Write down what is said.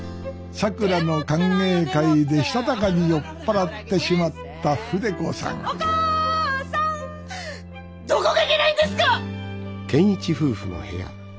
さくらの歓迎会でしたたかに酔っ払ってしまった筆子さんどこがいけないんですか！